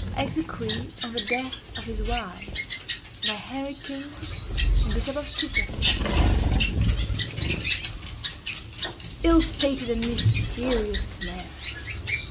(Exequy on the death of his wife, by Henry King, Bishop of Chichester.) Ill fated and mysterious man!